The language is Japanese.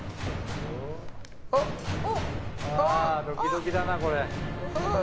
ドキドキだな、これ。